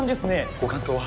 ご感想は？